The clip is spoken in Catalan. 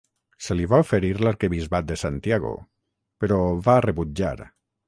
Se li va oferir l'arquebisbat de Santiago, però ho va rebutjar.